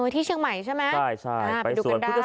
ที่เชียงใหม่ใช่ไหมไปดูกันได้